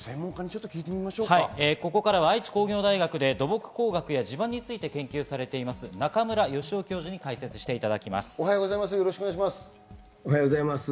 ここからは愛知工業大学で土木工学や地盤について研究されている中村吉男教授に解説していただきます。